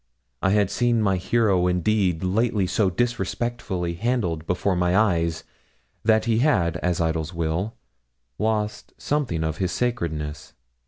I had seen my hero indeed lately so disrespectfully handled before my eyes, that he had, as idols will, lost something of his sacredness.